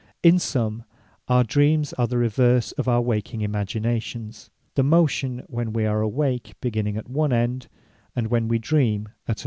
In summe, our Dreams are the reverse of our waking Imaginations; The motion when we are awake, beginning at one end; and when we Dream, at another.